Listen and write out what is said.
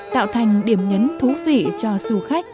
tạo thành điểm nhấn thú vị cho du khách